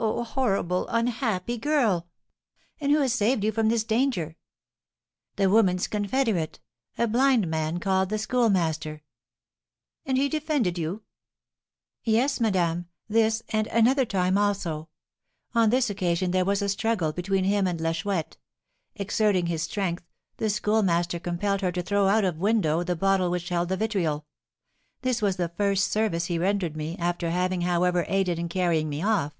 '" "Oh, horrible! Unhappy girl! And who has saved you from this danger?" "The woman's confederate, a blind man called the Schoolmaster." "And he defended you?" "Yes, madame, this and another time also. On this occasion there was a struggle between him and La Chouette: exerting his strength, the Schoolmaster compelled her to throw out of window the bottle which held the vitriol. This was the first service he rendered me, after having, however, aided in carrying me off.